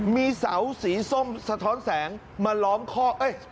มีเสาสีส้มสะท้อนแสงมาล้อมข้อเอ้ย